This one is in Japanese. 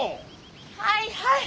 ・はいはい！